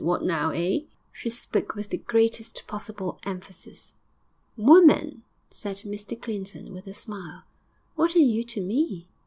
What now? Eh?' She spoke with the greatest possible emphasis. 'Woman!' said Mr Clinton, with a smile, 'What are you to me?'